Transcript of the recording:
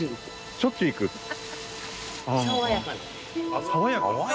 しょっちゅう行く？ハハハ！